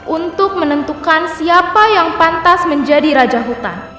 untuk menentukan siapa yang pantas menjadi raja hutan